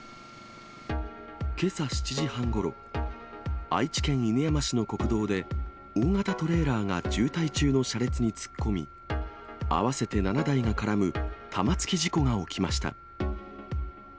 けさ７時半ごろ、愛知県犬山市の国道で、大型トレーラーが渋滞中の車列に突っ込み、合わせて７台が絡む玉突き事故が起きました。